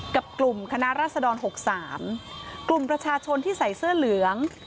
กับกลุ่มคณะรัศดร๖๓กลุ่มประชาชนที่ใส่เสื้อเหลือง